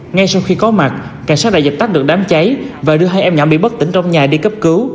ngay sau khi có mặt cảnh sát đã dập tắt được đám cháy và đưa hai em nhỏ bị bất tỉnh trong nhà đi cấp cứu